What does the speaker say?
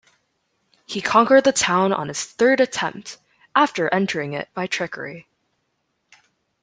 He conquered the town on his third attempt, after entering it by trickery.